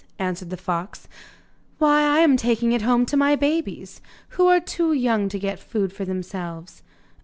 answered the fox; 'why I am taking it home to my babies, who are too young to get food for themselves.